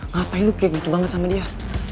ngapain lu kayak gitu banget sama dia